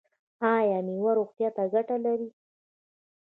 ایا میوه روغتیا ته ګټه لري؟